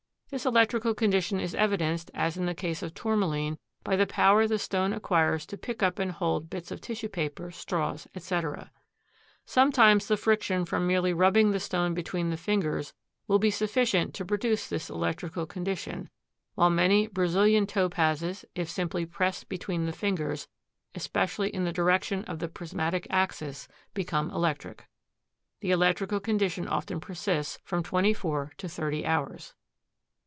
This electrical condition is evidenced, as in the case of tourmaline, by the power the stone acquires to pick up and hold bits of tissue paper, straws, etc. Sometimes the friction from merely rubbing the stone between the fingers will be sufficient to produce this electrical condition, while many Brazilian Topazes, if simply pressed between the fingers, especially in the direction of the prismatic axis, become electric. The electrical condition often persists from twenty four to thirty hours.